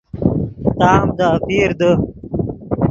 تام دے اپیر دے